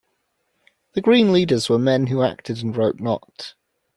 “The Green leaders were men who acted and wrote not”.